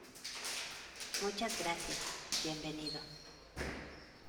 muchas gracias. bienvenido .